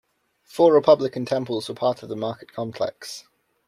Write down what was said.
Four Republican temples were part of the market complex.